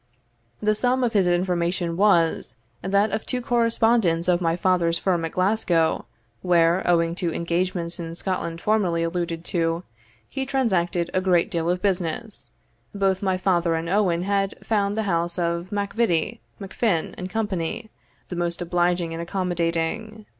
The sum of his information was, that of two correspondents of my father's firm at Glasgow, where, owing to engagements in Scotland formerly alluded to, he transacted a great deal of business, both my father and Owen had found the house of MacVittie, MacFin, and Company, the most obliging and accommodating.